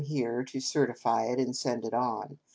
here to certify it, and send it on.